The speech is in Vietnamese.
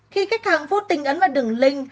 khi khách hàng vô tình ấn vào đường link